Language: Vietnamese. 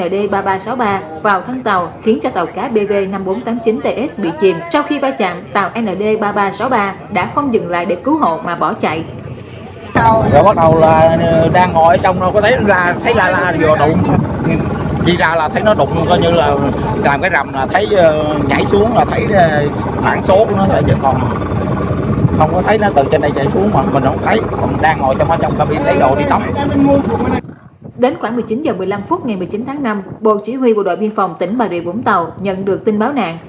đến khoảng một mươi chín h một mươi năm phút ngày một mươi chín tháng năm bộ chỉ huy bộ đội biên phòng tỉnh bà rịa vũng tàu nhận được tin báo nạn